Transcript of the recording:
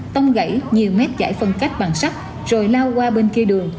tông gãy nhiều mét giải phân cách bằng sắt rồi lao qua bên kia đường